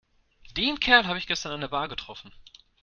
Den Kerl habe ich gestern an der Bar getroffen.